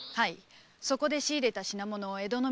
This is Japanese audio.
そこで仕入れた品物を江戸の店に運び